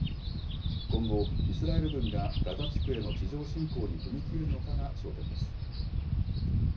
今後、イスラエル軍がガザ地区への地上侵攻に踏み切るのかが焦点です。